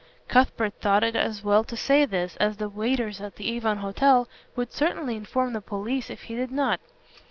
Cuthbert thought it as well to say this, as the waiters at the Avon Hotel would certainly inform the police if he did not.